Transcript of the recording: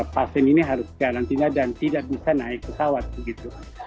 pasien ini harus karantina dan tidak bisa naik pesawat begitu